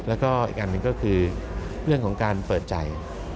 แล้วก็อีกอันหนึ่งก็คือเรื่องของการเปิดใจ